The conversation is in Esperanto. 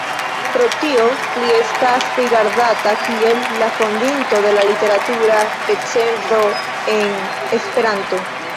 Pro tio li estas rigardata kiel la fondinto de la literatura recenzo en Esperanto.